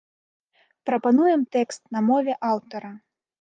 Прапануем тэкст на мове аўтара.